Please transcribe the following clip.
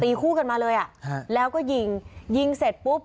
คู่กันมาเลยอ่ะฮะแล้วก็ยิงยิงเสร็จปุ๊บ